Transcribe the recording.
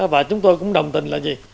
và chúng tôi cũng đồng tình là gì